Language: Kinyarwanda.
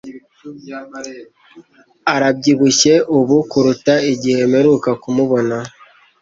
arabyibushye ubu kuruta igihe mperuka kumubona.